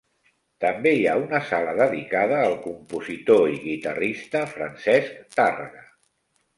També hi ha una sala dedicada al compositor i guitarrista Francesc Tàrrega.